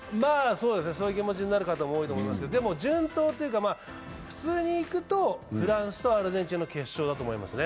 そういう気持ちになる人が多いかと思いますが、普通にいくとフランスとアルゼンチンの決勝だと思います。